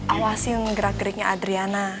awasin gerak geriknya adriana